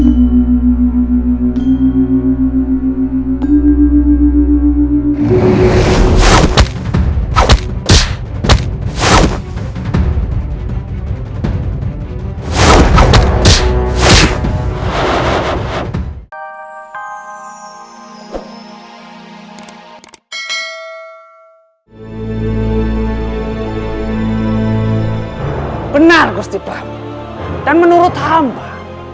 suasana indah seperti ini